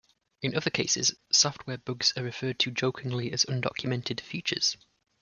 In other cases, software bugs are referred to jokingly as undocumented features.